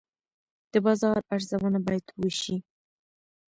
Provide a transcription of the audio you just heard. د بازار ارزونه باید وشي.